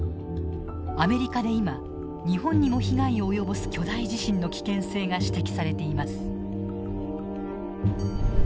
アメリカで今日本にも被害を及ぼす巨大地震の危険性が指摘されています。